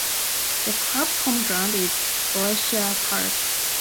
The club's home ground is Bellslea Park.